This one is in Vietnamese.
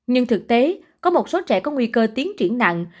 nhưng thực tế có một số trẻ có nguy cơ tiến triển nặng